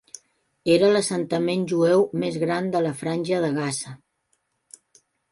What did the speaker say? Era l'assentament jueu més gran de la Franja de Gaza.